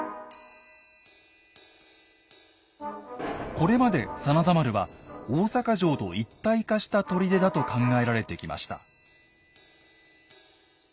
これまで真田丸は大坂城と一体化した砦だと考えられてきました。